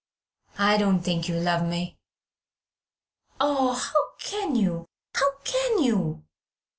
I don't think you love me " "Oh, how can you, how can you?"